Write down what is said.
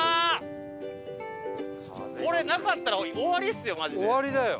これなかったら終わりですよ。